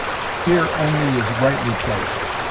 Here only is rightly placed.